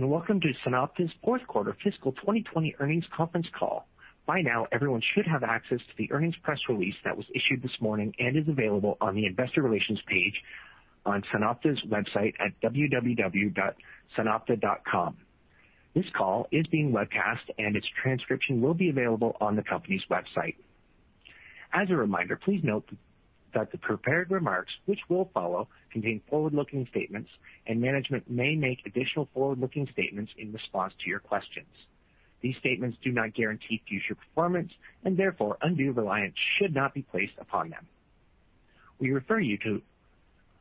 Welcome to SunOpta's fourth quarter fiscal 2020 earnings conference call. By now, everyone should have access to the earnings press release that was issued this morning and is available on the Investor Relations page on SunOpta's website at www.sunopta.com. This call is being webcast, and its transcription will be available on the company's website. As a reminder, please note that the prepared remarks, which will follow, contain forward-looking statements, and management may make additional forward-looking statements in response to your questions. These statements do not guarantee future performance, and therefore, undue reliance should not be placed upon them. We refer you to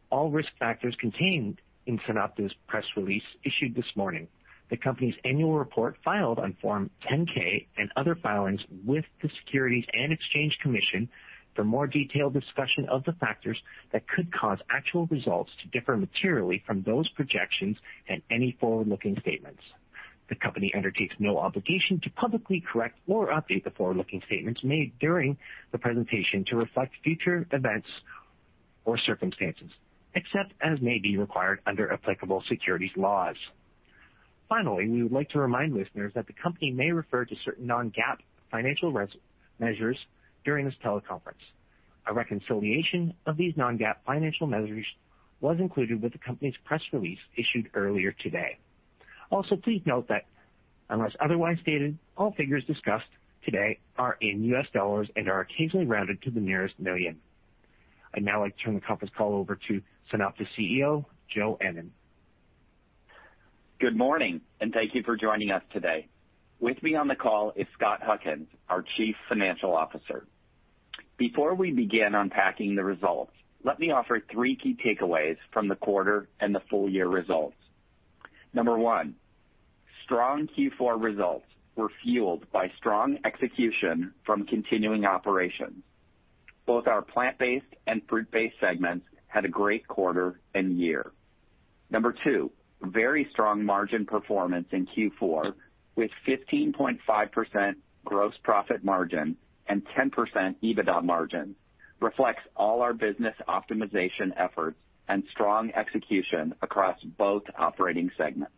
all risk factors contained in SunOpta's press release issued this morning, the company's annual report filed on Form 10-K and other filings with the Securities and Exchange Commission for more detailed discussion of the factors that could cause actual results to differ materially from those projections and any forward-looking statements. The company undertakes no obligation to publicly correct or update the forward-looking statements made during the presentation to reflect future events or circumstances, except as may be required under applicable securities laws. Finally, we would like to remind listeners that the company may refer to certain non-GAAP financial measures during this teleconference. A reconciliation of these non-GAAP financial measures was included with the company's press release issued earlier today. Also, please note that unless otherwise stated, all figures discussed today are in U.S. dollars and are occasionally rounded to the nearest million. I'd now like to turn the conference call over to SunOpta CEO, Joe Ennen. Good morning, and thank you for joining us today. With me on the call is Scott Huckins, our chief financial officer. Before we begin unpacking the results, let me offer three key takeaways from the quarter and the full year results. Number one, strong Q4 results were fueled by strong execution from continuing operations. Both our plant-based and fruit-based segments had a great quarter and year. Number two, very strong margin performance in Q4 with 15.5% gross profit margin and 10% EBITDA margin reflects all our business optimization efforts and strong execution across both operating segments.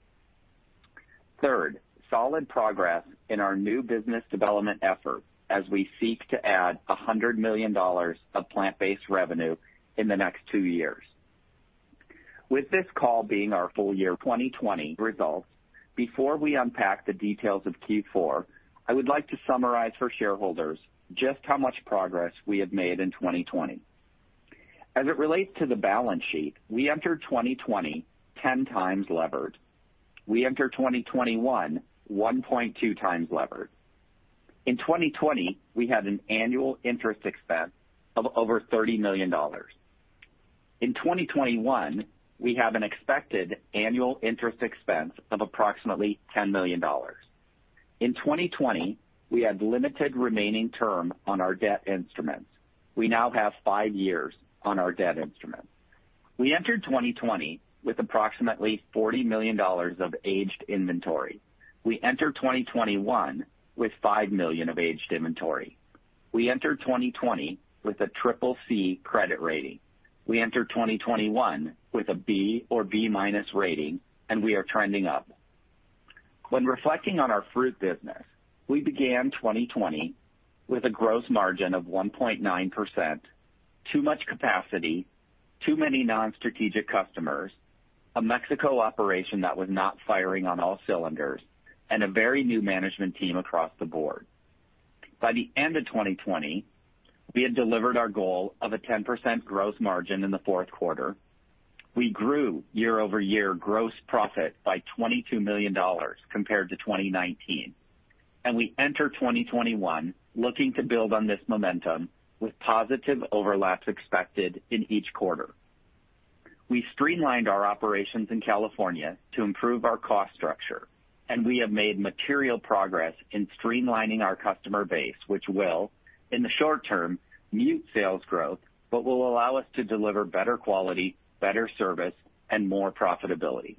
Third, solid progress in our new business development efforts as we seek to add $100 million of plant-based revenue in the next two years. With this call being our full year 2020 results, before we unpack the details of Q4, I would like to summarize for shareholders just how much progress we have made in 2020. As it relates to the balance sheet, we entered 2020 10x levered. We enter 2021 1.2x levered. In 2020, we had an annual interest expense of over $30 million. In 2021, we have an expected annual interest expense of approximately $10 million. In 2020, we had limited remaining term on our debt instruments. We now have five years on our debt instruments. We entered 2020 with approximately $40 million of aged inventory. We enter 2021 with $5 million of aged inventory. We entered 2020 with a CCC credit rating. We enter 2021 with a B or B-minus rating, and we are trending up. When reflecting on our fruit business, we began 2020 with a gross margin of 1.9%, too much capacity, too many non-strategic customers, a Mexico operation that was not firing on all cylinders, and a very new management team across the board. By the end of 2020, we had delivered our goal of a 10% gross margin in the fourth quarter. We grew year-over-year gross profit by $22 million compared to 2019. We enter 2021 looking to build on this momentum with positive overlaps expected in each quarter. We streamlined our operations in California to improve our cost structure, and we have made material progress in streamlining our customer base, which will, in the short term, mute sales growth, but will allow us to deliver better quality, better service, and more profitability.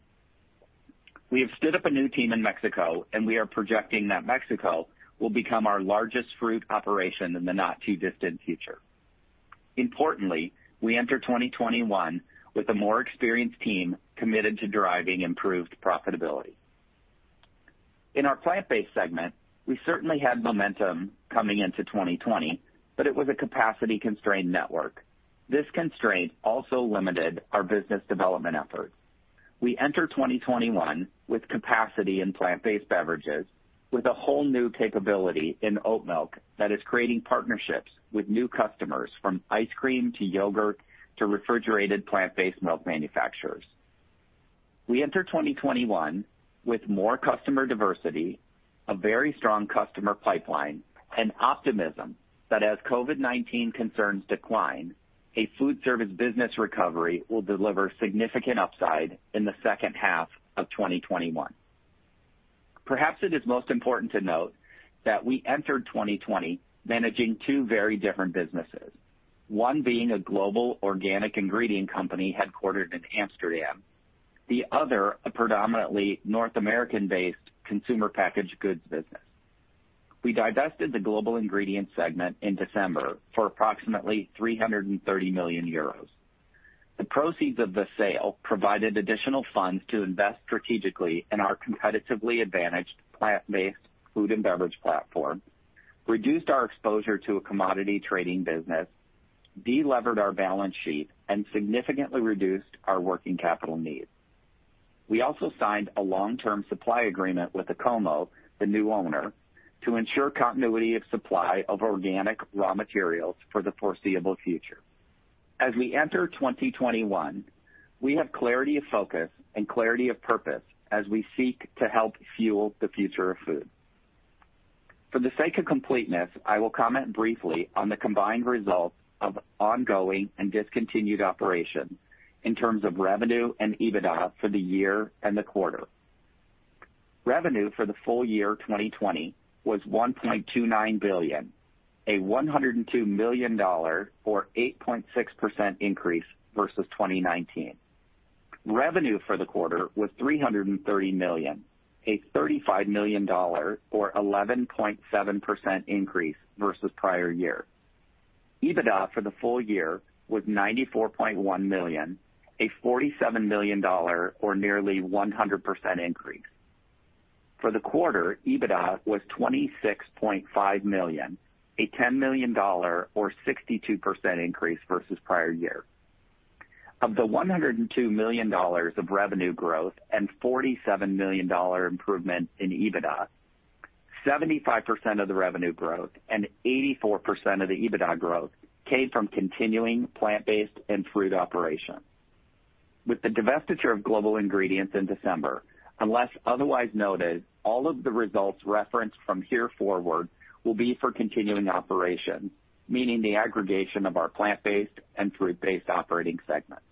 We have stood up a new team in Mexico, and we are projecting that Mexico will become our largest fruit operation in the not too distant future. Importantly, we enter 2021 with a more experienced team committed to driving improved profitability. In our plant-based segment, we certainly had momentum coming into 2020, but it was a capacity-constrained network. This constraint also limited our business development efforts. We enter 2021 with capacity in plant-based beverages with a whole new capability in oat milk that is creating partnerships with new customers from ice cream to yogurt to refrigerated plant-based milk manufacturers. We enter 2021 with more customer diversity, a very strong customer pipeline, and optimism that as COVID-19 concerns decline, a food service business recovery will deliver significant upside in the second half of 2021. Perhaps it is most important to note that we entered 2020 managing two very different businesses, one being a global organic ingredient company headquartered in Amsterdam, the other a predominantly North American-based consumer packaged goods business. We divested the Global Ingredients segment in December for approximately $330 million. The proceeds of the sale provided additional funds to invest strategically in our competitively advantaged plant-based food and beverage platform, reduced our exposure to a commodity trading business, de-levered our balance sheet, and significantly reduced our working capital needs. We also signed a long-term supply agreement with Acomo, the new owner, to ensure continuity of supply of organic raw materials for the foreseeable future. As we enter 2021, we have clarity of focus and clarity of purpose as we seek to help fuel the future of food. For the sake of completeness, I will comment briefly on the combined results of ongoing and discontinued operations in terms of revenue and EBITDA for the year and the quarter. Revenue for the full year 2020 was $1.29 billion, a $102 million or 8.6% increase versus 2019. Revenue for the quarter was $330 million, a $35 million or 11.7% increase versus prior year. EBITDA for the full year was $94.1 million, a $47 million or nearly 100% increase. For the quarter, EBITDA was $26.5 million, a $10 million or 62% increase versus prior year. Of the $102 million of revenue growth and $47 million improvement in EBITDA, 75% of the revenue growth and 84% of the EBITDA growth came from continuing plant-based and fruit operations. With the divestiture of Global Ingredients in December, unless otherwise noted, all of the results referenced from here forward will be for continuing operations, meaning the aggregation of our plant-based and fruit-based operating segments.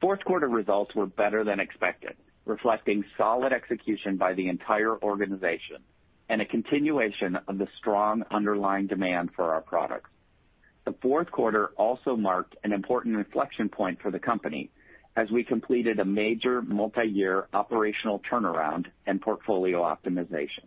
Fourth quarter results were better than expected, reflecting solid execution by the entire organization and a continuation of the strong underlying demand for our products. The fourth quarter also marked an important inflection point for the company as we completed a major multi-year operational turnaround and portfolio optimization.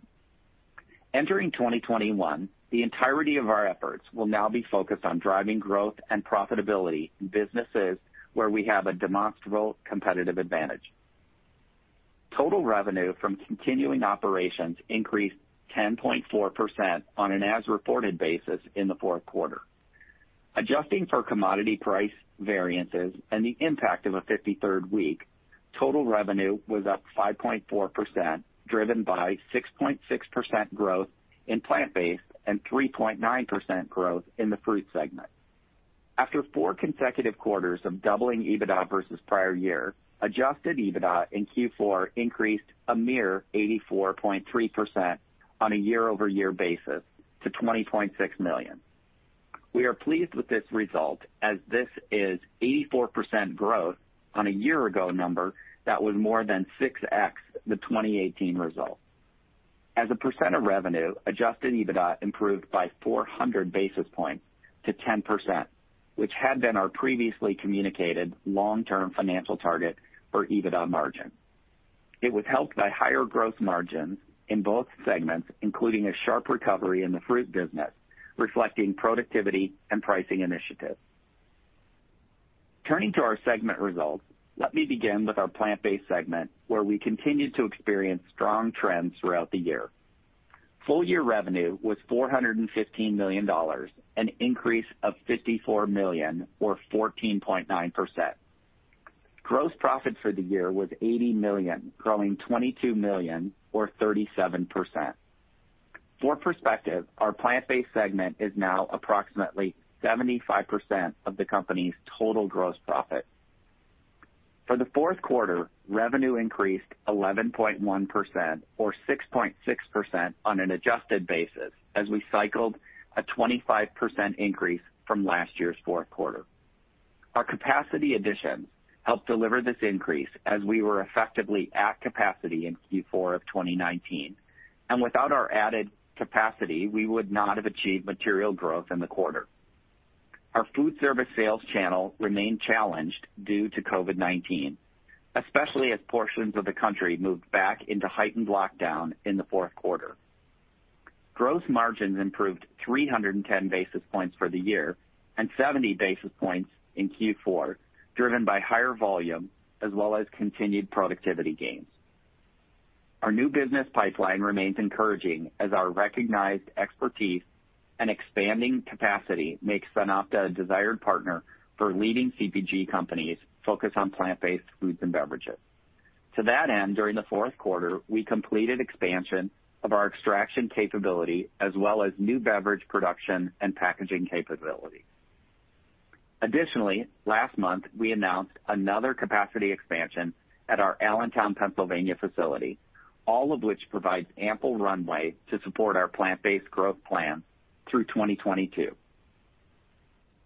Entering 2021, the entirety of our efforts will now be focused on driving growth and profitability in businesses where we have a demonstrable competitive advantage. Total revenue from continuing operations increased 10.4% on an as-reported basis in the fourth quarter. Adjusting for commodity price variances and the impact of a 53rd week, total revenue was up 5.4%, driven by 6.6% growth in plant-based and 3.9% growth in the fruit segment. After four consecutive quarters of doubling EBITDA versus the prior year, adjusted EBITDA in Q4 increased a mere 84.3% on a year-over-year basis to $20.6 million. We are pleased with this result, as this is 84% growth on a year-ago number that was more than 6x the 2018 result. As a percent of revenue, adjusted EBITDA improved by 400 basis points to 10%, which had been our previously communicated long-term financial target for EBITDA margin. It was helped by higher growth margins in both segments, including a sharp recovery in the fruit business, reflecting productivity and pricing initiatives. Turning to our segment results, let me begin with our plant-based segment, where we continued to experience strong trends throughout the year. Full-year revenue was $415 million, an increase of $54 million or 14.9%. Gross profit for the year was $80 million, growing $22 million or 37%. For perspective, our plant-based segment is now approximately 75% of the company's total gross profit. For the fourth quarter, revenue increased 11.1%, or 6.6% on an adjusted basis, as we cycled a 25% increase from last year's fourth quarter. Our capacity additions helped deliver this increase as we were effectively at capacity in Q4 of 2019, and without our added capacity, we would not have achieved material growth in the quarter. Our food service sales channel remained challenged due to COVID-19, especially as portions of the country moved back into heightened lockdown in the fourth quarter. Gross margins improved 310 basis points for the year and 70 basis points in Q4, driven by higher volume as well as continued productivity gains. Our new business pipeline remains encouraging as our recognized expertise and expanding capacity makes SunOpta a desired partner for leading CPG companies focused on plant-based foods and beverages. To that end, during the fourth quarter, we completed expansion of our extraction capability as well as new beverage production and packaging capability. Additionally, last month, we announced another capacity expansion at our Allentown, Pennsylvania facility, all of which provides ample runway to support our plant-based growth plans through 2022.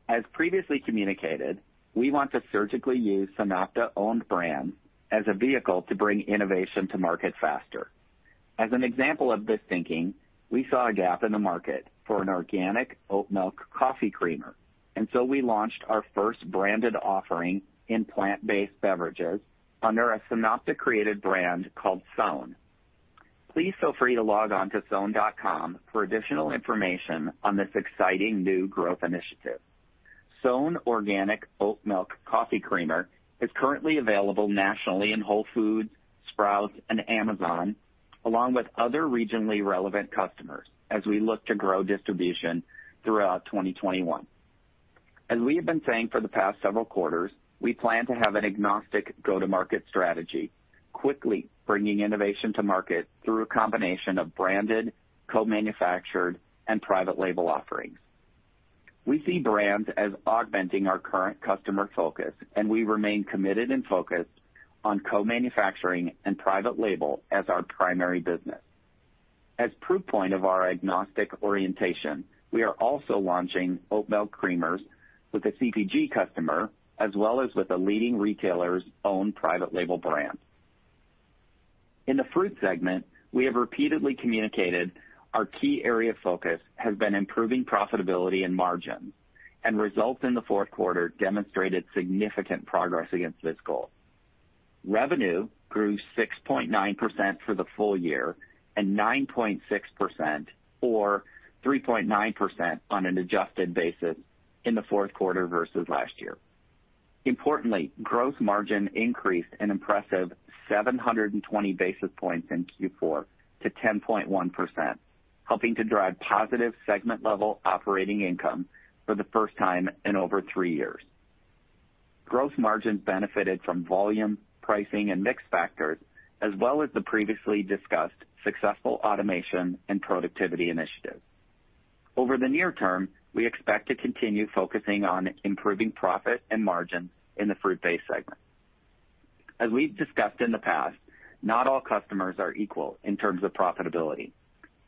As previously communicated, we want to surgically use SunOpta owned brands as a vehicle to bring innovation to market faster. As an example of this thinking, we saw a gap in the market for an organic oat milk coffee creamer, and so we launched our first branded offering in plant-based beverages under a SunOpta-created brand called SOWN. Please feel free to log on to sownorganic.com for additional information on this exciting new growth initiative. SOWN Organic Oat Milk Coffee Creamer is currently available nationally in Whole Foods, Sprouts, and Amazon, along with other regionally relevant customers as we look to grow distribution throughout 2021. As we have been saying for the past several quarters, we plan to have an agnostic go-to-market strategy, quickly bringing innovation to market through a combination of branded, co-manufactured, and private label offerings. We see brands as augmenting our current customer focus, and we remain committed and focused on co-manufacturing and private label as our primary business. As proof point of our agnostic orientation, we are also launching Oat Milk Creamers with a CPG customer, as well as with a leading retailer's own private label brand. In the fruit segment, we have repeatedly communicated our key area of focus has been improving profitability and margin, and results in the fourth quarter demonstrated significant progress against this goal. Revenue grew 6.9% for the full year and 9.6%, or 3.9% on an adjusted basis in the fourth quarter versus last year. Importantly, gross margin increased an impressive 720 basis points in Q4 to 10.1%, helping to drive positive segment-level operating income for the first time in over three years. Gross margin benefited from volume, pricing, and mix factors, as well as the previously discussed successful automation and productivity initiatives. Over the near term, we expect to continue focusing on improving profit and margin in the fruit-based segment. As we've discussed in the past, not all customers are equal in terms of profitability.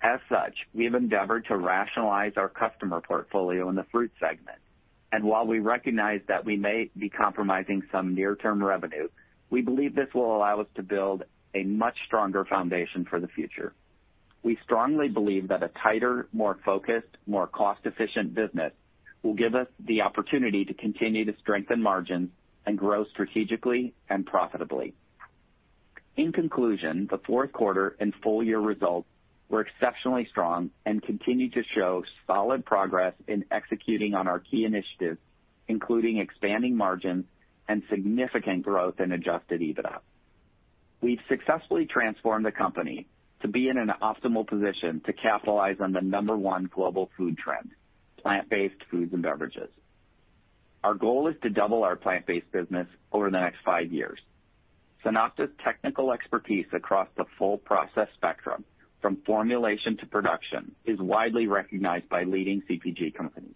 As such, we have endeavored to rationalize our customer portfolio in the fruit segment. While we recognize that we may be compromising some near-term revenue, we believe this will allow us to build a much stronger foundation for the future. We strongly believe that a tighter, more focused, more cost-efficient business will give us the opportunity to continue to strengthen margins and grow strategically and profitably. In conclusion, the fourth quarter and full-year results were exceptionally strong and continue to show solid progress in executing on our key initiatives, including expanding margins and significant growth in adjusted EBITDA. We've successfully transformed the company to be in an optimal position to capitalize on the number one global food trend: plant-based foods and beverages. Our goal is to double our plant-based business over the next five years. SunOpta's technical expertise across the full process spectrum, from formulation to production, is widely recognized by leading CPG companies.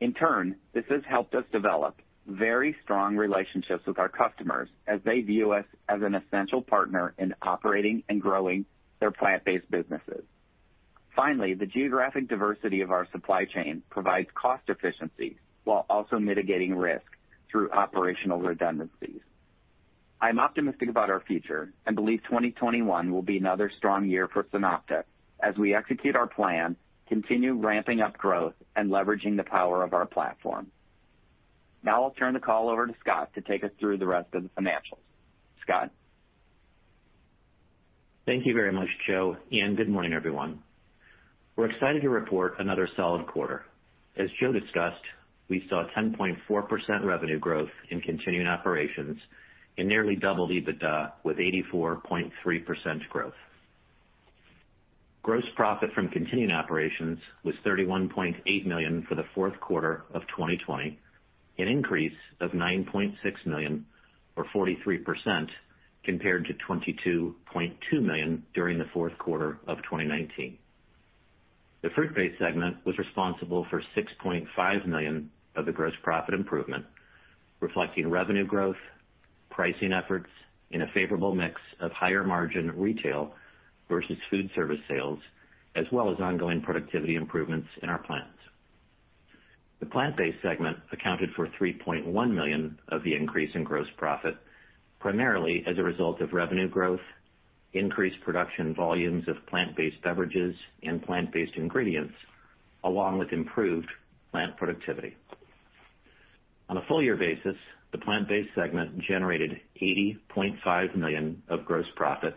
In turn, this has helped us develop very strong relationships with our customers as they view us as an essential partner in operating and growing their plant-based businesses. Finally, the geographic diversity of our supply chain provides cost efficiency while also mitigating risk through operational redundancies. I'm optimistic about our future and believe 2021 will be another strong year for SunOpta as we execute our plan, continue ramping up growth, and leveraging the power of our platform. Now I'll turn the call over to Scott to take us through the rest of the financials. Scott? Thank you very much, Joe. Good morning, everyone. We're excited to report another solid quarter. As Joe discussed, we saw 10.4% revenue growth in continuing operations and nearly double EBITDA with 84.3% growth. Gross profit from continuing operations was $31.8 million for the fourth quarter of 2020, an increase of $9.6 million, or 43%, compared to $22.2 million during the fourth quarter of 2019. The fruit-based segment was responsible for $6.5 million of the gross profit improvement, reflecting revenue growth, pricing efforts in a favorable mix of higher margin retail versus food service sales, as well as ongoing productivity improvements in our plants. The plant-based segment accounted for $3.1 million of the increase in gross profit, primarily as a result of revenue growth, increased production volumes of plant-based beverages and plant-based ingredients, along with improved plant productivity. On a full year basis, the plant-based segment generated $80.5 million of gross profit,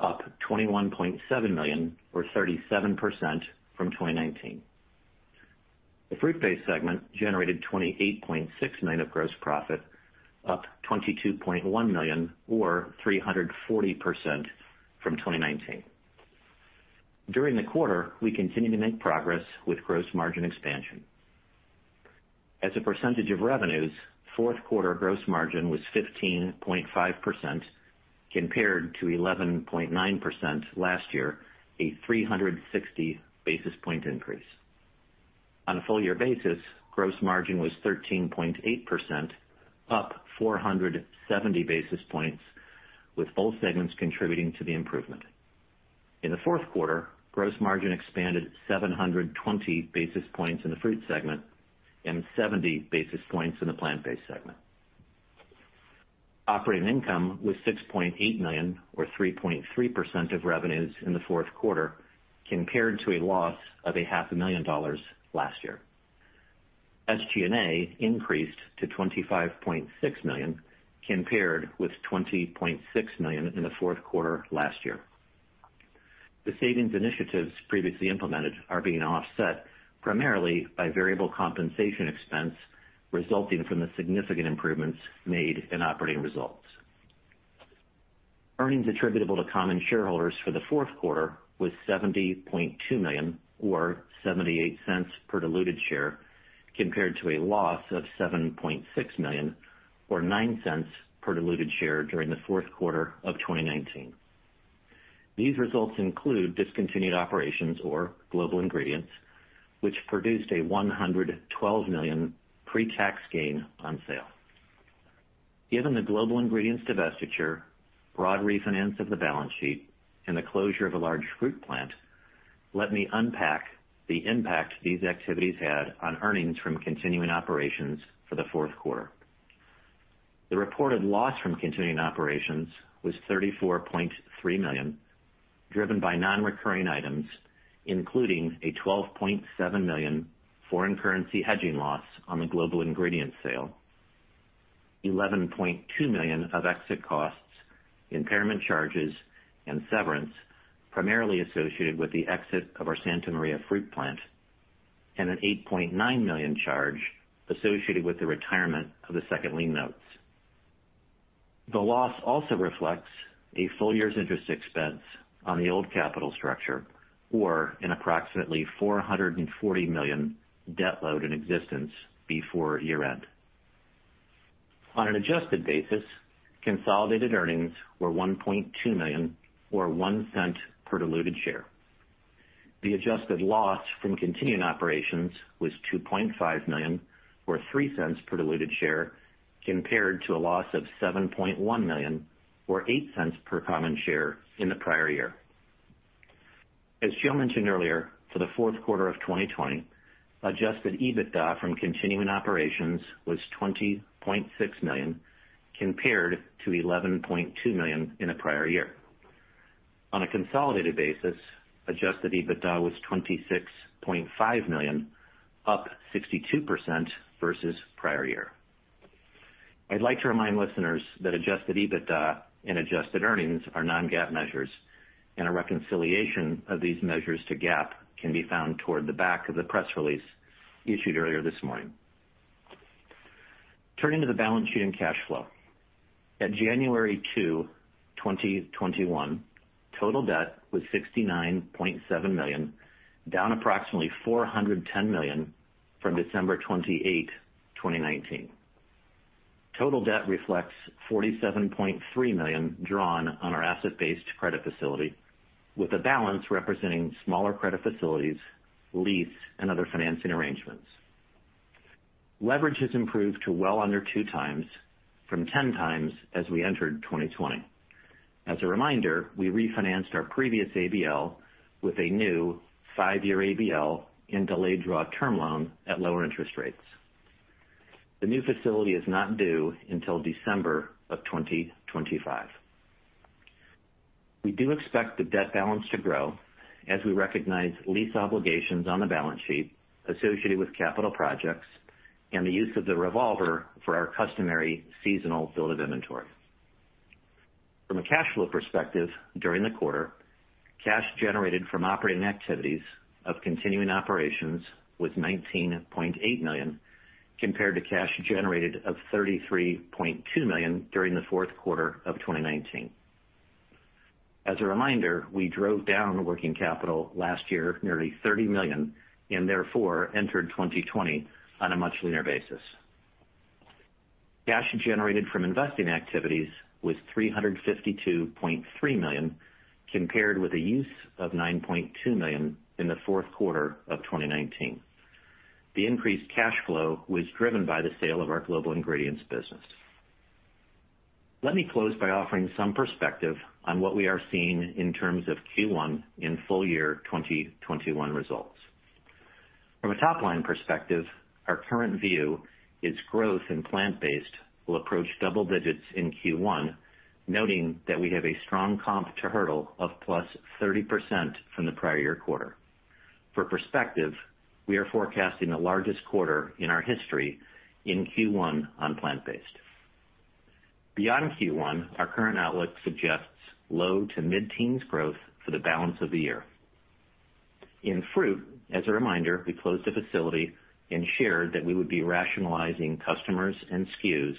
up $21.7 million or 37% from 2019. The fruit-based segment generated $28.6 million of gross profit, up $22.1 million or 340% from 2019. During the quarter, we continued to make progress with gross margin expansion. As a percentage of revenues, fourth quarter gross margin was 15.5% compared to 11.9% last year, a 360 basis point increase. On a full year basis, gross margin was 13.8%, up 470 basis points, with both segments contributing to the improvement. In the fourth quarter, gross margin expanded 720 basis points in the fruit segment and 70 basis points in the plant-based segment. Operating income was $6.8 million or 3.3% of revenues in the fourth quarter, compared to a loss of a half a million dollars last year. SG&A increased to $25.6 million compared with $20.6 million in the fourth quarter last year. The savings initiatives previously implemented are being offset primarily by variable compensation expense resulting from the significant improvements made in operating results. Earnings attributable to common shareholders for the fourth quarter was $70.2 million or $0.78 per diluted share compared to a loss of $7.6 million or $0.09 per diluted share during the fourth quarter of 2019. These results include discontinued operations or Global Ingredients, which produced a $112 million pre-tax gain on sale. Given the Global Ingredients divestiture, broad refinance of the balance sheet and the closure of a large fruit plant, let me unpack the impact these activities had on earnings from continuing operations for the fourth quarter. The reported loss from continuing operations was $34.3 million, driven by non-recurring items, including a $12.7 million foreign currency hedging loss on the Global Ingredients sale, $11.2 million of exit costs, impairment charges and severance primarily associated with the exit of our Santa Maria fruit plant, and an $8.9 million charge associated with the retirement of the second lien notes. The loss also reflects a full year's interest expense on the old capital structure or an approximately $440 million debt load in existence before year-end. On an adjusted basis, consolidated earnings were $1.2 million or $0.01 per diluted share. The adjusted loss from continuing operations was $2.5 million or $0.03 per diluted share compared to a loss of $7.1 million or $0.08 per common share in the prior year. As Joe mentioned earlier, for the fourth quarter of 2020, adjusted EBITDA from continuing operations was $20.6 million compared to $11.2 million in the prior year. On a consolidated basis, adjusted EBITDA was $26.5 million, up 62% versus prior year. I'd like to remind listeners that adjusted EBITDA and adjusted earnings are non-GAAP measures and a reconciliation of these measures to GAAP can be found toward the back of the press release issued earlier this morning. Turning to the balance sheet and cash flow. At January 2, 2021, total debt was $69.7 million, down approximately $410 million from December 28, 2019. Total debt reflects $47.3 million drawn on our asset-based credit facility with a balance representing smaller credit facilities, lease and other financing arrangements. Leverage has improved to well under two times from 10 times as we entered 2020. As a reminder, we refinanced our previous ABL with a new five-year ABL and delayed draw term loan at lower interest rates. The new facility is not due until December of 2025. We do expect the debt balance to grow as we recognize lease obligations on the balance sheet associated with capital projects and the use of the revolver for our customary seasonal build of inventory. From a cash flow perspective during the quarter, cash generated from operating activities of continuing operations was $19.8 million compared to cash generated of $33.2 million during the fourth quarter of 2019. As a reminder, we drove down working capital last year nearly $30 million and therefore entered 2020 on a much leaner basis. Cash generated from investing activities was $352.3 million compared with a use of $9.2 million in the fourth quarter of 2019. The increased cash flow was driven by the sale of our Global Ingredients business. Let me close by offering some perspective on what we are seeing in terms of Q1 and full year 2021 results. From a top-line perspective, our current view is growth in plant-based will approach double digits in Q1, noting that we have a strong comp to hurdle of +30% from the prior year quarter. For perspective, we are forecasting the largest quarter in our history in Q1 on plant-based. Beyond Q1, our current outlook suggests low to mid-teens growth for the balance of the year. In fruit, as a reminder, we closed a facility and shared that we would be rationalizing customers and SKUs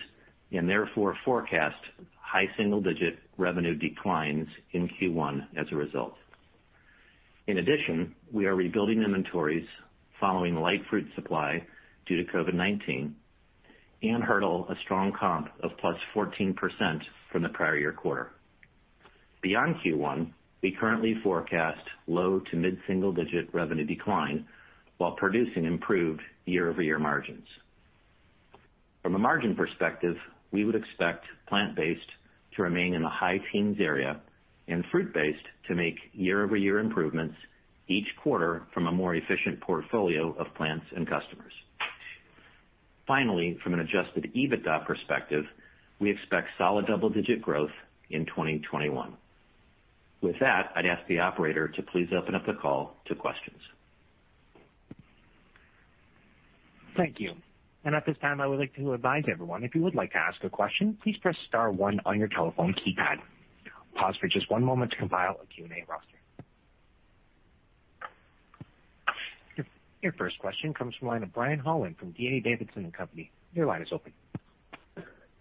and therefore forecast high single-digit revenue declines in Q1 as a result. In addition, we are rebuilding inventories following light fruit supply due to COVID-19 and hurdle a strong comp of +14% from the prior year quarter. Beyond Q1, we currently forecast low to mid single-digit revenue decline while producing improved year-over-year margins. From a margin perspective, we would expect plant-based to remain in the high teens area and fruit-based to make year-over-year improvements each quarter from a more efficient portfolio of plants and customers. Finally, from an adjusted EBITDA perspective, we expect solid double-digit growth in 2021. With that, I'd ask the operator to please open up the call to questions. Thank you. At this time, I would like to advise everyone, if you would like to ask a question, please press star one on your telephone keypad. Pause for just one moment to compile a Q&A roster. Your first question comes from the line of Brian Holland from DA Davidson & Co.. Your line is open.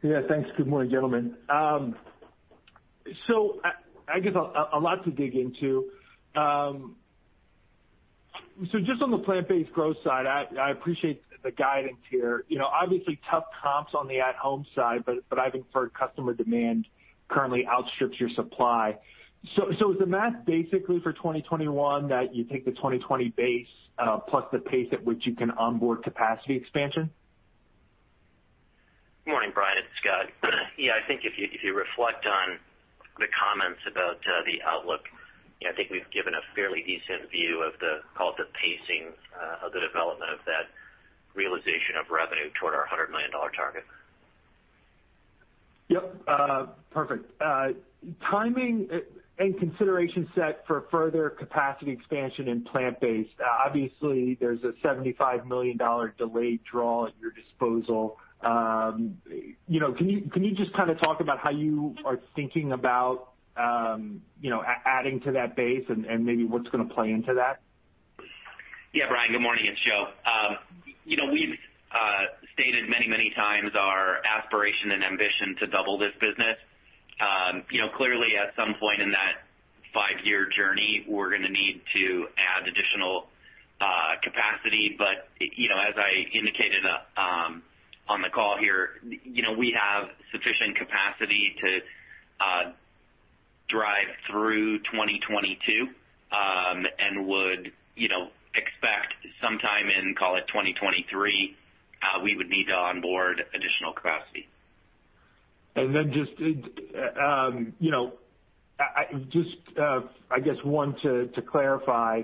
Yeah. Thanks. Good morning, gentlemen. I guess a lot to dig into. Just on the plant-based growth side, I appreciate the guidance here. Obviously tough comps on the at-home side, but I've inferred customer demand currently outstrips your supply. Is the math basically for 2021 that you take the 2020 base, plus the pace at which you can onboard capacity expansion? Good morning, Brian. It's Scott. Yeah, I think if you reflect on the comments about the outlook, I think we've given a fairly decent view of the, call it the pacing of the development of that realization of revenue toward our $100 million target. Yep. Perfect. Timing and consideration set for further capacity expansion in plant-based. Obviously, there's a $75 million delayed draw at your disposal. Can you just kind of talk about how you are thinking about adding to that base and maybe what's going to play into that? Yeah, Brian. Good morning. It's Joe. We've stated many times our aspiration and ambition to double this business. Clearly, at some point in that five-year journey, we're going to need to add additional capacity. As I indicated on the call here, we have sufficient capacity to drive through 2022, and would expect sometime in, call it 2023, we would need to onboard additional capacity. Then just, I guess one, to clarify,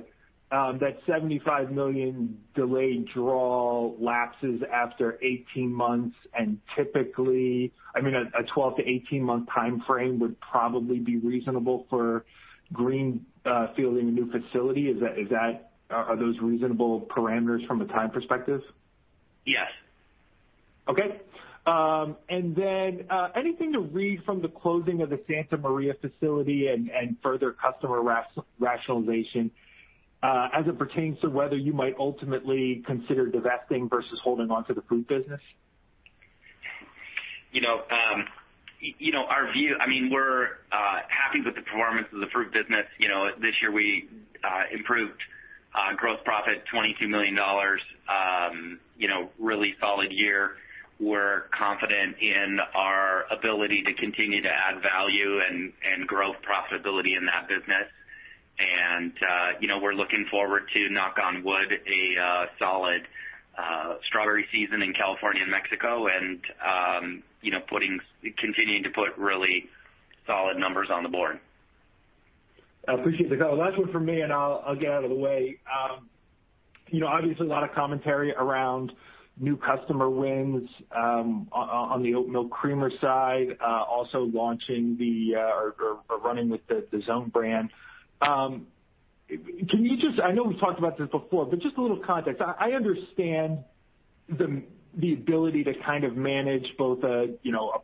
that $75 million delayed draw lapses after 18 months and typically, I mean, a 12 to 18-month timeframe would probably be reasonable for green fielding a new facility. Are those reasonable parameters from a time perspective? Yes. Okay. Then anything to read from the closing of the Santa Maria facility and further customer rationalization as it pertains to whether you might ultimately consider divesting versus holding onto the fruit business? Our view, I mean, we're happy with the performance of the fruit business. This year we improved gross profit $22 million. Really solid year. We're confident in our ability to continue to add value and grow profitability in that business. We're looking forward to, knock on wood, a solid strawberry season in California and Mexico and continuing to put really solid numbers on the board. I appreciate the color. Last one from me, and I'll get out of the way. Obviously, a lot of commentary around new customer wins on the oat milk creamer side, also running with the SOWN brand. I know we've talked about this before, but just a little context. I understand the ability to kind of manage both a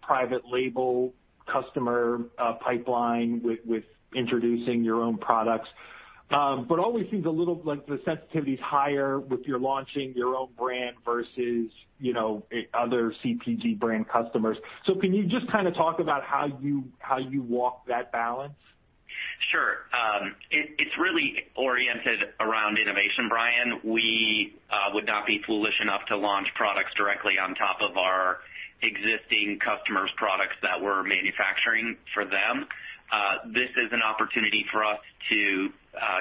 private label customer pipeline with introducing your own products. Always seems a little like the sensitivity's higher with your launching your own brand versus other CPG brand customers. Can you just kind of talk about how you walk that balance? Sure. It's really oriented around innovation, Brian. We would not be foolish enough to launch products directly on top of our existing customers' products that we're manufacturing for them. This is an opportunity for us to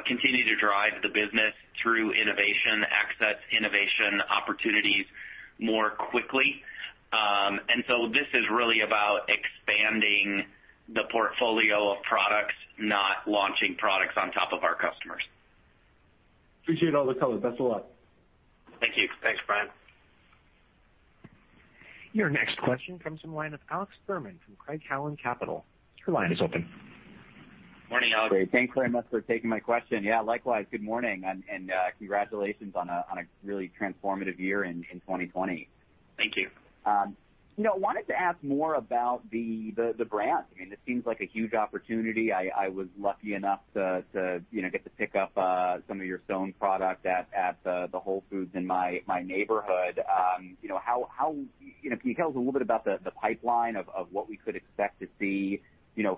continue to drive the business through innovation, access innovation opportunities more quickly. This is really about expanding the portfolio of products, not launching products on top of our customers. Appreciate all the color. Best of luck. Thank you. Thanks, Brian. Your next question comes from the line of Alex Fuhrman from Craig-Hallum Capital. Your line is open. Morning, Alex. Great. Thanks very much for taking my question. Yeah, likewise, good morning, and congratulations on a really transformative year in 2020. Thank you. I wanted to ask more about the brands. I mean, this seems like a huge opportunity. I was lucky enough to get to pick up some of your SOWN product at the Whole Foods in my neighborhood. Can you tell us a little bit about the pipeline of what we could expect to see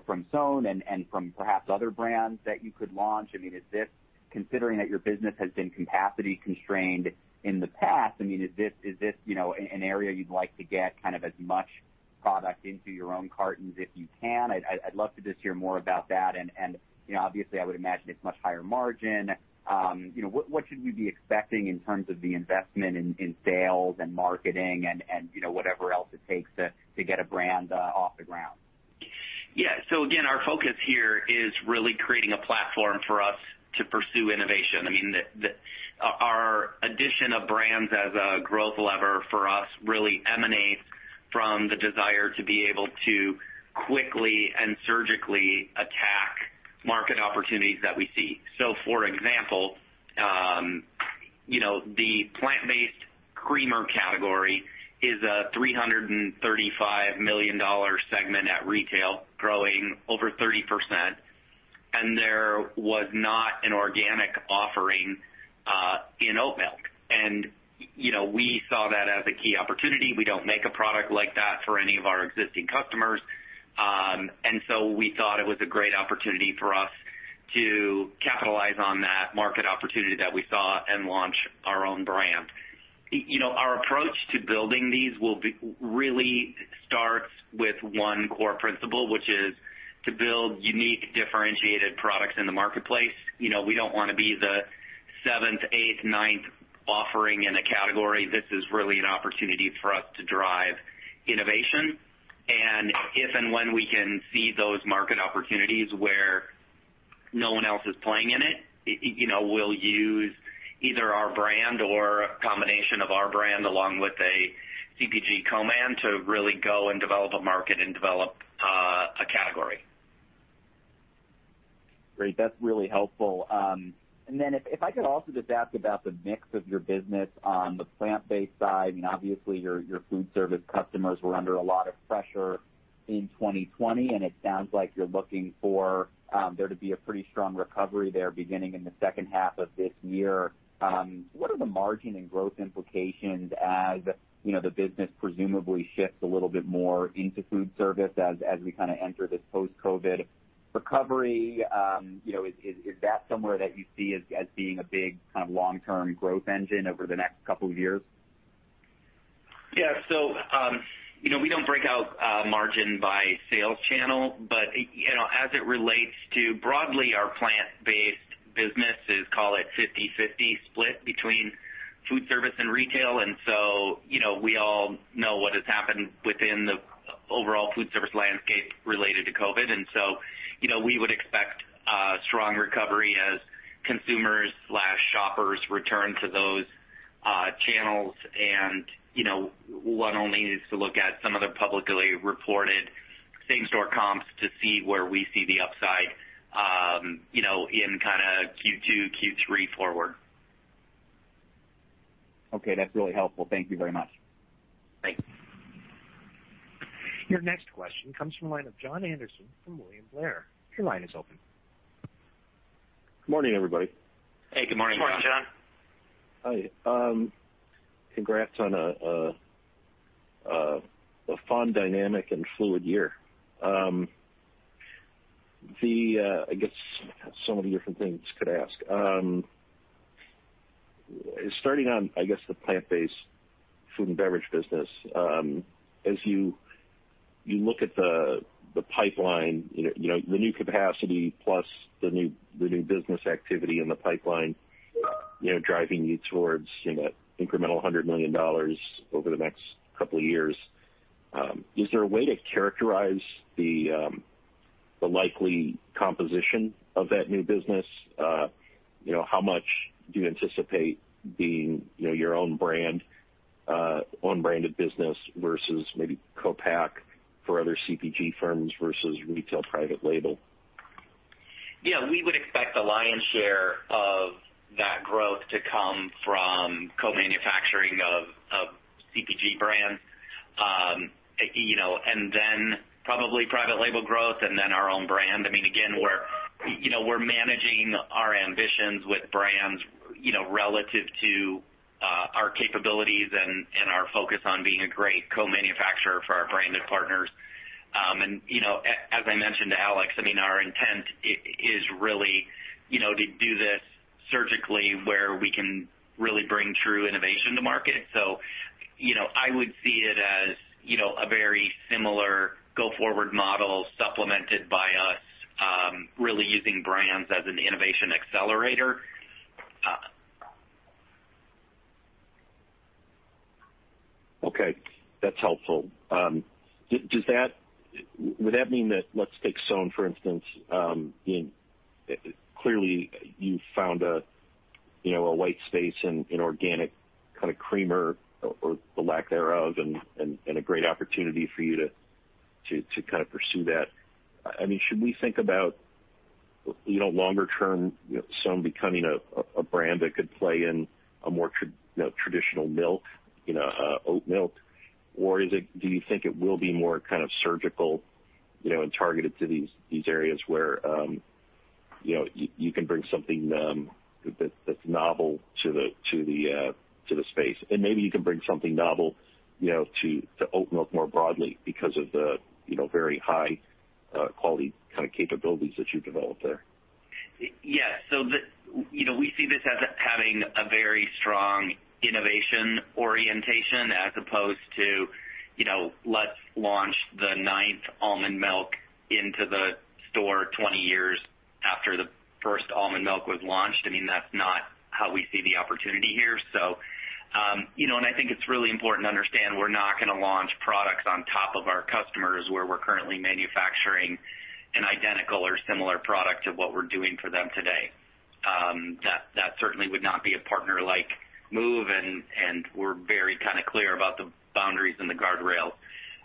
from SOWN and from perhaps other brands that you could launch? I mean, considering that your business has been capacity constrained in the past, I mean, is this an area you'd like to get kind of as much product into your own cartons if you can? I'd love to just hear more about that, and obviously, I would imagine it's much higher margin. What should we be expecting in terms of the investment in sales and marketing and whatever else it takes to get a brand off the ground? Yeah. Again, our focus here is really creating a platform for us to pursue innovation. I mean, our addition of brands as a growth lever for us really emanates. From the desire to be able to quickly and surgically attack market opportunities that we see. For example, the plant-based creamer category is a $335 million segment at retail, growing over 30%, and there was not an organic offering in oat milk. We saw that as a key opportunity. We don't make a product like that for any of our existing customers. We thought it was a great opportunity for us to capitalize on that market opportunity that we saw and launch our own brand. Our approach to building these really starts with one core principle, which is to build unique, differentiated products in the marketplace. We don't want to be the seventh, eighth, ninth offering in a category. This is really an opportunity for us to drive innovation. If and when we can see those market opportunities where no one else is playing in it, we'll use either our brand or a combination of our brand along with a CPG co-man to really go and develop a market and develop a category. Great. That's really helpful. If I could also just ask about the mix of your business on the plant-based side. Obviously, your food service customers were under a lot of pressure in 2020, and it sounds like you're looking for there to be a pretty strong recovery there beginning in the second half of this year. What are the margin and growth implications as the business presumably shifts a little bit more into food service as we enter this post-COVID recovery? Is that somewhere that you see as being a big long-term growth engine over the next couple of years? Yeah. We don't break out margin by sales channel, but as it relates to broadly our plant-based business is, call it, 50-50 split between food service and retail. We all know what has happened within the overall food service landscape related to COVID. We would expect a strong recovery as consumers/shoppers return to those channels. One only needs to look at some of the publicly reported same-store comps to see where we see the upside in Q2, Q3 forward. Okay, that's really helpful. Thank you very much. Thanks. Your next question comes from the line of Jon Andersen from William Blair. Your line is open. Good morning, everybody. Hey, good morning, Jon. Good morning, Jon. Hi. Congrats on a fun, dynamic, and fluid year. I guess, so many different things could ask. Starting on, I guess, the plant-based food and beverage business. As you look at the pipeline, the new capacity plus the new business activity in the pipeline, driving you towards incremental $100 million over the next couple of years, is there a way to characterize the likely composition of that new business? How much do you anticipate being your own branded business versus maybe co-pack for other CPG firms versus retail private label? Yeah. We would expect the lion's share of that growth to come from co-manufacturing of CPG brands. Then probably private label growth and then our own brand. Again, we're managing our ambitions with brands relative to our capabilities and our focus on being a great co-manufacturer for our branded partners. As I mentioned to Alex, our intent is really to do this surgically where we can really bring true innovation to market. So I would see it as a very similar go-forward model supplemented by us really using brands as an innovation accelerator. Okay. That's helpful. Would that mean that, let's take SOWN for instance. Clearly, you found a white space in organic creamer or the lack thereof and a great opportunity for you to pursue that. Should we think about longer term, SOWN becoming a brand that could play in a more traditional milk, oat milk? Or do you think it will be more surgical and targeted to these areas where you can bring something that's novel to the space? Maybe you can bring something novel to oat milk more broadly because of the very high quality kind of capabilities that you've developed there. Yes. We see this as having a very strong innovation orientation as opposed to let's launch the ninth almond milk into the store 20 years after the first almond milk was launched. That's not how we see the opportunity here. I think it's really important to understand we're not going to launch products on our customers where we're currently manufacturing an identical or similar product to what we're doing for them today. That certainly would not be a partner-like move, and we're very clear about the boundaries and the guardrails.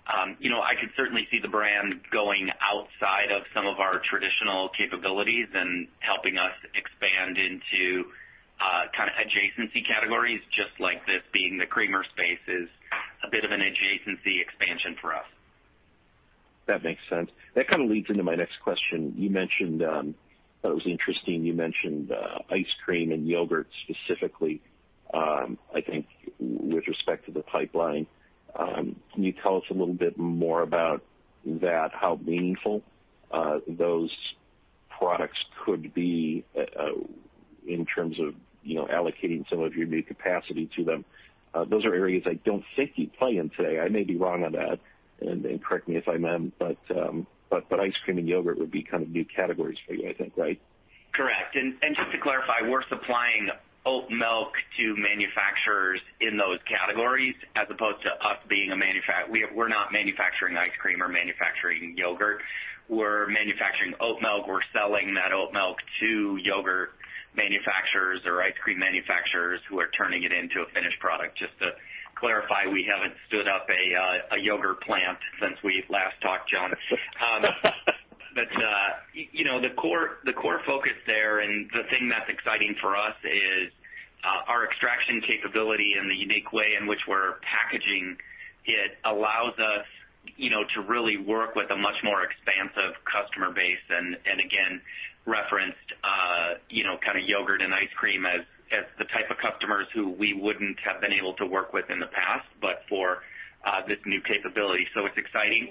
I could certainly see the brand going outside of some of our traditional capabilities and helping us expand into adjacency categories, just like this being the creamer space is a bit of an adjacency expansion for us. That makes sense. That kind of leads into my next question. I thought it was interesting you mentioned ice cream and yogurt specifically, I think with respect to the pipeline. Can you tell us a little bit more about that, how meaningful those products could be in terms of allocating some of your new capacity to them? Those are areas I don't think you play in today. I may be wrong on that, and correct me if I am, but ice cream and yogurt would be kind of new categories for you, I think, right? Correct. Just to clarify, we're supplying oat milk to manufacturers in those categories as opposed to us being a manufacturer. We're not manufacturing ice cream or manufacturing yogurt. We're manufacturing oat milk. We're selling that oat milk to yogurt manufacturers or ice cream manufacturers who are turning it into a finished product. Just to clarify, we haven't stood up a yogurt plant since we last talked, Jon. The core focus there and the thing that's exciting for us is our extraction capability and the unique way in which we're packaging it allows us to really work with a much more expansive customer base. Again, referenced yogurt and ice cream as the type of customers who we wouldn't have been able to work with in the past, but for this new capability. It's exciting.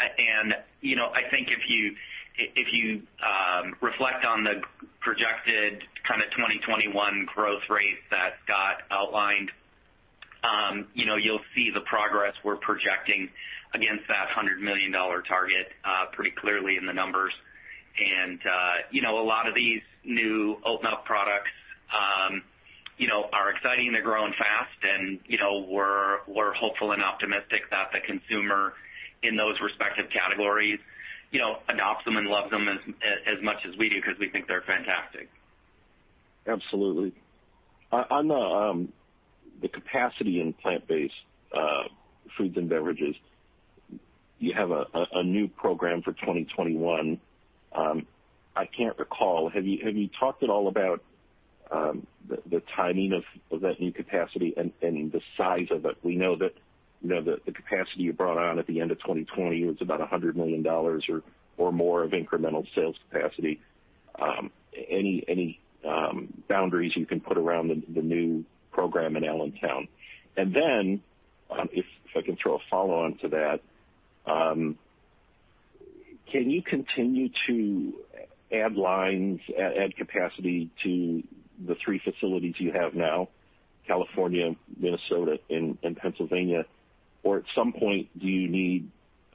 I think if you reflect on the projected 2021 growth rate that got outlined, you'll see the progress we're projecting against that $100 million target pretty clearly in the numbers. A lot of these new oat milk products are exciting. They're growing fast, and we're hopeful and optimistic that the consumer in those respective categories adopts them and loves them as much as we do because we think they're fantastic. Absolutely. On the capacity in plant-based foods and beverages, you have a new program for 2021. I can't recall. Have you talked at all about the timing of that new capacity and the size of it? We know that the capacity you brought on at the end of 2020 was about $100 million or more of incremental sales capacity. Any boundaries you can put around the new program in Allentown? Then, if I can throw a follow-on to that, can you continue to add lines, add capacity to the three facilities you have now, California, Minnesota, and Pennsylvania, or at some point, do you need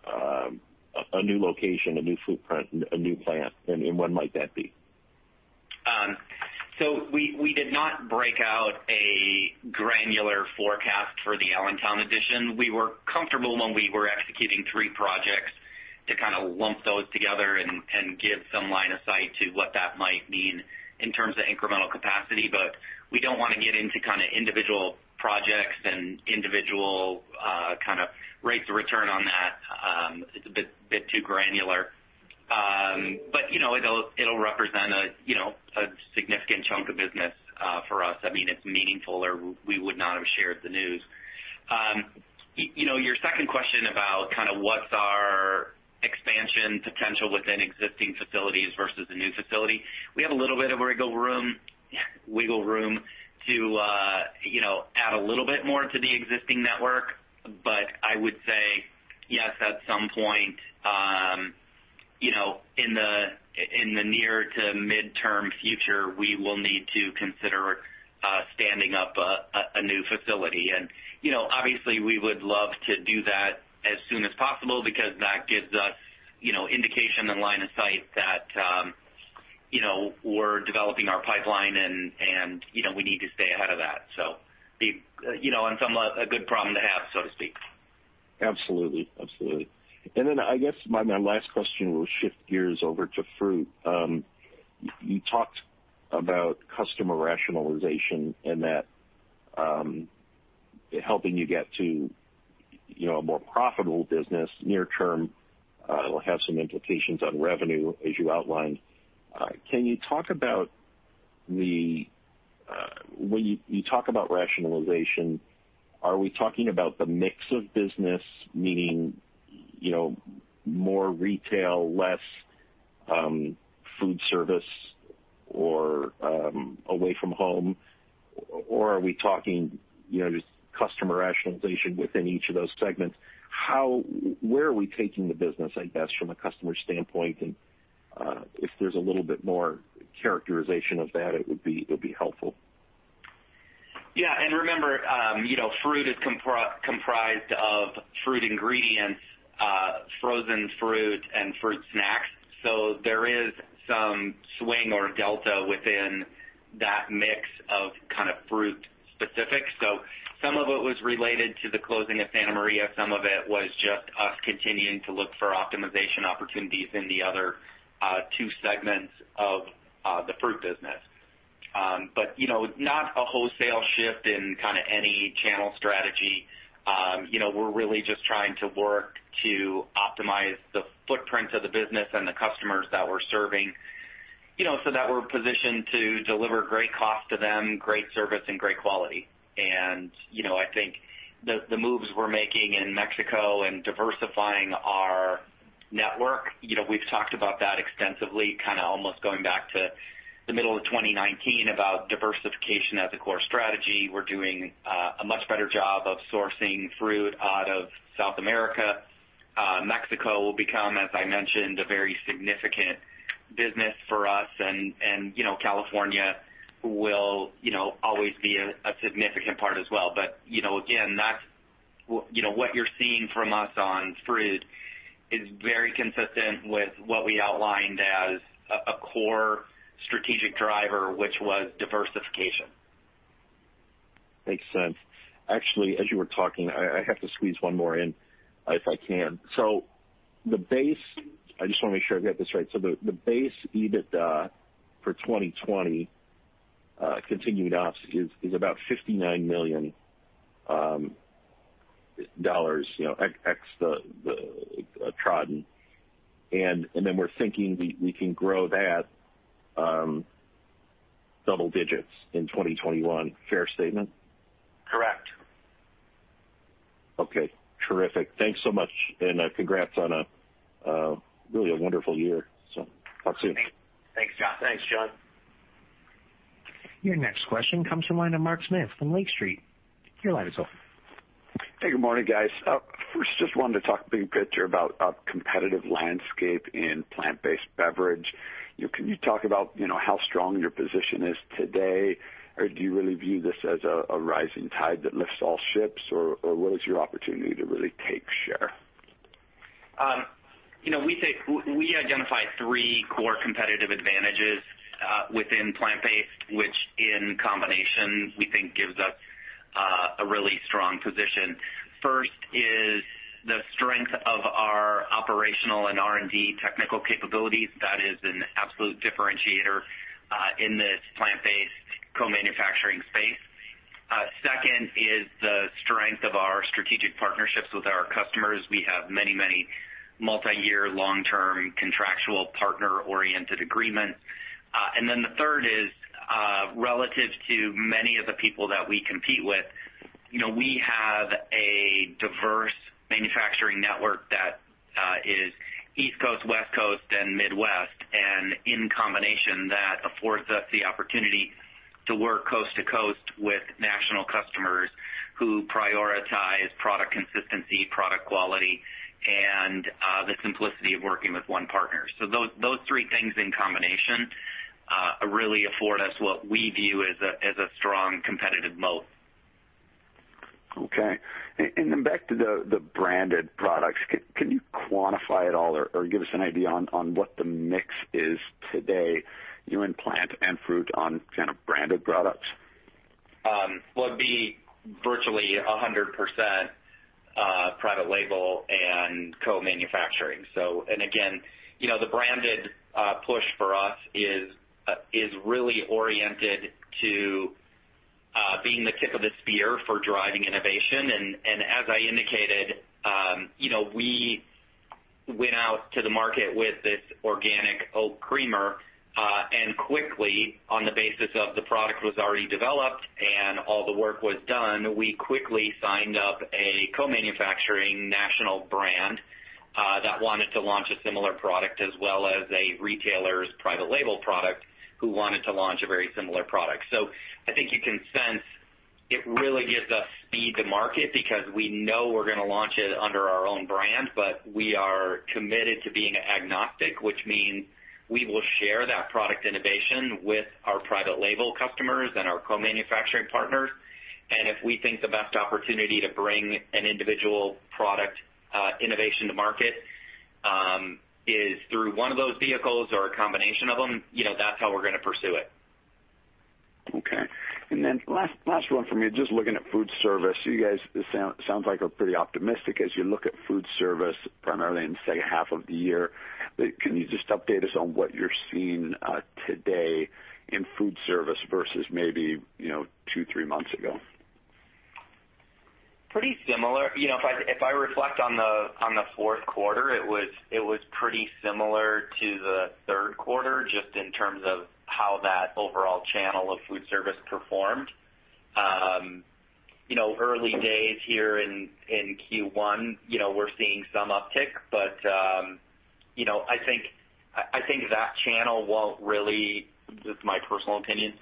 a new location, a new footprint, a new plant, and when might that be? We did not break out a granular forecast for the Allentown addition. We were comfortable when we were executing three projects to kind of lump those together and give some line of sight to what that might mean in terms of incremental capacity. We don't want to get into individual projects and individual rates of return on that. It's a bit too granular. It'll represent a significant chunk of business for us. It's meaningful, or we would not have shared the news. Your second question about what's our expansion potential within existing facilities versus a new facility. We have a little bit of wiggle room to add a little bit more to the existing network. I would say yes, at some point, in the near to mid-term future, we will need to consider standing up a new facility. Obviously, we would love to do that as soon as possible because that gives us indication and line of sight that we're developing our pipeline and we need to stay ahead of that. A good problem to have, so to speak. Absolutely. Then I guess my last question will shift gears over to fruit. You talked about customer rationalization and that helping you get to a more profitable business near term will have some implications on revenue, as you outlined. When you talk about rationalization, are we talking about the mix of business, meaning more retail, less food service or away from home or are we talking just customer rationalization within each of those segments? Where are we taking the business, I guess, from a customer standpoint and if there's a little bit more characterization of that, it would be helpful. Yeah. Remember fruit is comprised of fruit ingredients, frozen fruit, and fruit snacks. There is some swing or delta within that mix of fruit specific. Some of it was related to the closing of Santa Maria. Some of it was just us continuing to look for optimization opportunities in the other two segments of the fruit business. Not a wholesale shift in any channel strategy. We're really just trying to work to optimize the footprint of the business and the customers that we're serving, so that we're positioned to deliver great cost to them, great service, and great quality. I think the moves we're making in Mexico and diversifying our network, we've talked about that extensively, almost going back to the middle of 2019 about diversification as a core strategy. We're doing a much better job of sourcing fruit out of South America. Mexico will become, as I mentioned, a very significant business for us and California will always be a significant part as well. Again, what you're seeing from us on fruit is very consistent with what we outlined as a core strategic driver, which was diversification. Makes sense. Actually, as you were talking, I have to squeeze one more in, if I can. The base, I just want to make sure I've got this right. The base EBITDA for 2020, continuing ops, is about $59 million, ex the [Trodden]. Then we're thinking we can grow that double digits in 2021. Fair statement? Correct. Okay. Terrific. Thanks so much, and congrats on a really wonderful year. Talk soon. Thanks, Jon. Thanks, Jon. Your next question comes from the line of Mark Smith from Lake Street. Your line is open. Hey, good morning, guys. Just wanted to talk big picture about competitive landscape in plant-based beverage. Can you talk about how strong your position is today, or do you really view this as a rising tide that lifts all ships, or what is your opportunity to really take share? We identify three core competitive advantages within plant-based, which in combination we think gives us a really strong position. First is the strength of our operational and R&D technical capabilities. That is an absolute differentiator in this plant-based co-manufacturing space. Second is the strength of our strategic partnerships with our customers. We have many, many multi-year, long-term, contractual partner-oriented agreements. The third is relative to many of the people that we compete with. We have a diverse manufacturing network that is East Coast, West Coast, and Midwest, and in combination, that affords us the opportunity to work coast to coast with national customers who prioritize product consistency, product quality, and the simplicity of working with one partner. Those three things in combination really afford us what we view as a strong competitive moat. Okay. Back to the branded products, can you quantify at all or give us an idea on what the mix is today in plant and fruit on kind of branded products? Well, it'd be virtually 100% private label and co-manufacturing. Again, the branded push for us is really oriented to being the tip of the spear for driving innovation. As I indicated, we went out to the market with this organic oat creamer and quickly, on the basis of the product was already developed and all the work was done, we quickly signed up a co-manufacturing national brand that wanted to launch a similar product as well as a retailer's private label product who wanted to launch a very similar product. I think you can sense it really gives us speed to market because we know we're going to launch it under our own brand, but we are committed to being agnostic, which means we will share that product innovation with our private label customers and our co-manufacturing partners. If we think the best opportunity to bring an individual product innovation to market is through one of those vehicles or a combination of them, that's how we're going to pursue it. Okay. Last one from me, just looking at food service. You guys, it sounds like are pretty optimistic as you look at food service primarily in the second half of the year. Can you just update us on what you're seeing today in food service versus maybe two, three months ago? Pretty similar. If I reflect on the fourth quarter, it was pretty similar to the third quarter, just in terms of how that overall channel of food service performed. Early days here in Q1, we're seeing some uptick. This is my personal opinion.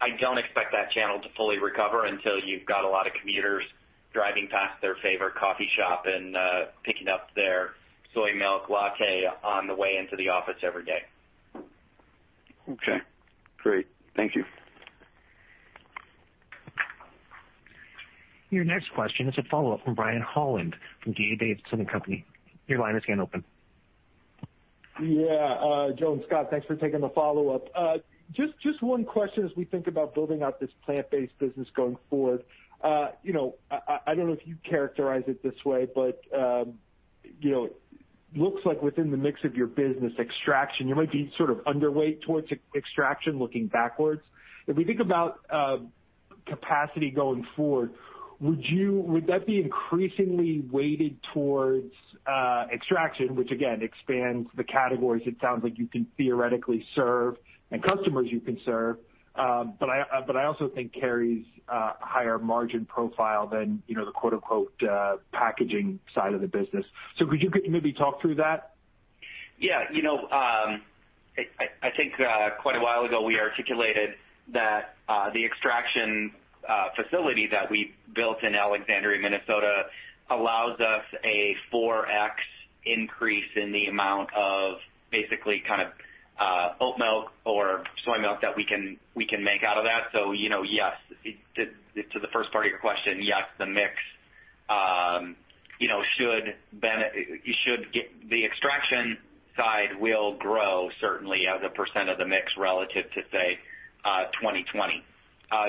I don't expect that channel to fully recover until you've got a lot of commuters driving past their favorite coffee shop and picking up their soy milk latte on the way into the office every day. Okay, great. Thank you. Your next question is a follow-up from Brian Holland from D.A. Davidson & Co.. Your line is again open. Yeah. Joe, Scott, thanks for taking the follow-up. One question as we think about building out this plant-based business going forward. I don't know if you'd characterize it this way, looks like within the mix of your business extraction, you might be sort of underweight towards extraction looking backwards. If we think about capacity going forward, would that be increasingly weighted towards extraction, which again, expands the categories it sounds like you can theoretically serve and customers you can serve, I also think carries a higher margin profile than the quote-unquote, "packaging side of the business." Could you maybe talk through that? Yeah. I think quite a while ago, we articulated that the extraction facility that we built in Alexandria, Minnesota, allows us a 4x increase in the amount of basically oat milk or soy milk that we can make out of that. Yes, to the first part of your question, yes, the extraction side will grow certainly as a % of the mix relative to, say, 2020.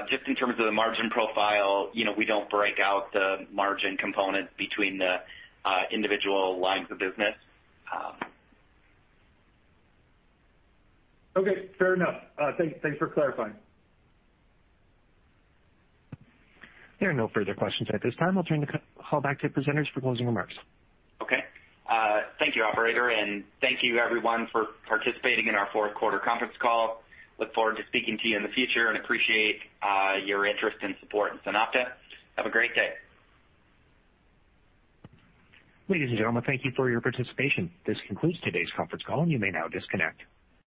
Just in terms of the margin profile, we don't break out the margin component between the individual lines of business. Okay, fair enough. Thanks for clarifying. There are no further questions at this time. I'll turn the call back to presenters for closing remarks. Okay. Thank you, operator, and thank you everyone for participating in our fourth quarter conference call. We look forward to speaking to you in the future and appreciate your interest and support in SunOpta. Have a great day. Ladies and gentlemen, thank you for your participation. This concludes today's conference call and you may now disconnect.